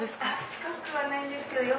近くはないんですけど。